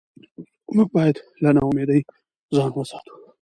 موږ باید له ناامیدۍ ځان وساتو